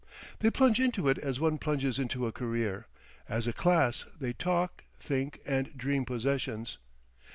They plunge into it as one plunges into a career; as a class, they talk, think, and dream possessions.